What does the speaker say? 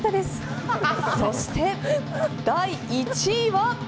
そして、第１位は。